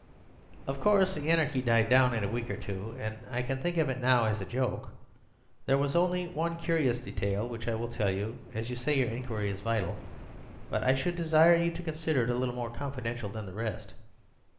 "Of course, the anarchy died down in a week or two, and I can think of it now as a joke. There was only one curious detail, which I will tell you, as you say your inquiry is vital; but I should desire you to consider it a little more confidential than the rest.